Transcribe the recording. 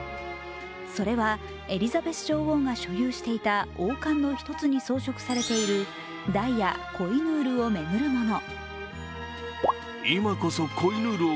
それはエリザベス女王が所有していた王冠の一つに装飾されているダイヤ、コイヌールを巡るもの。